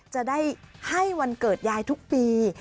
จะได้ให้วันเกิดยายทุกปี